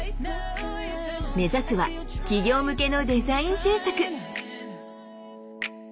目指すは企業向けのデザイン制作。